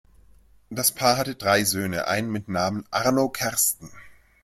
Das Paar hatte drei Söhne, einen mit Namen Arno Kersten.